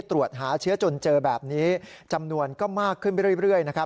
ตรวจหาเชื้อจนเจอแบบนี้จำนวนก็มากขึ้นไปเรื่อยนะครับ